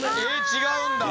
違うんだ。